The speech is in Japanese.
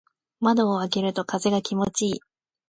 窓を開けると風が気持ちいい。